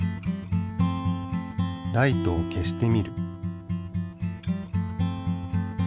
ライトを消してみる。